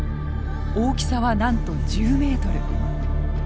大きさはなんと１０ｍ。